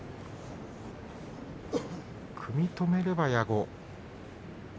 組み止めれば矢後。